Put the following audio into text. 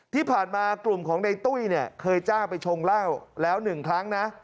ที่ผ่านมากลุ่มของในตุ้ยเนี่ยเคยจ้างไปชงเหล้าแล้ว๑ครั้งนะ